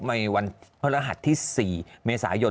ในวันพระรหัสที่๔เมษายน